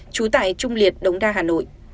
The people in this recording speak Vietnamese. chú tài trung liệt đống đa hà nội